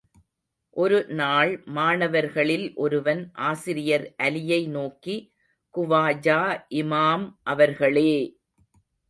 ஒருநாள் மாணவர்களில் ஒருவன் ஆசிரியர் அலியை நோக்கி, குவாஜா இமாம் அவர்களே!